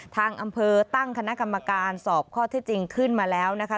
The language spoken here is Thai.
ทางอำเภอตั้งคณะกรรมการสอบข้อที่จริงขึ้นมาแล้วนะคะ